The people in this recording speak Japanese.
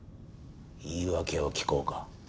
言い訳を聞こうか。